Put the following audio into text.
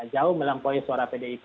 jauh melampaui suara pdip